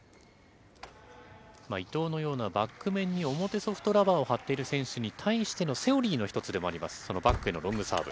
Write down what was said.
伊藤のようなバック面に表ソフトラバーを貼っている選手に対してのセオリーの一つでもあります、そのバックへのロングサーブ。